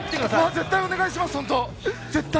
絶対にお願いします。